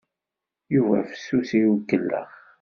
Yuba fessus i ukellex.